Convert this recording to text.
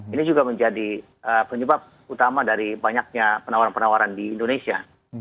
ini juga menjadi penyebab utama dari banyaknya penawaran penawaran di indonesia